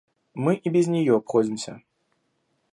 Мы и без нее обходимся.